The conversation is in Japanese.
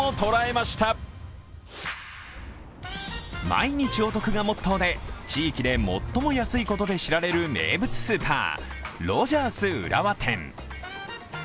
毎日お得がモットーで地域で最も安いことで知られる名物スーパー、ロヂャース浦和店。